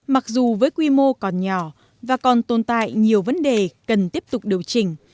mặc dù với quy mô còn nhỏ và còn tồn tại nhiều vấn đề cần tiếp tục điều chỉnh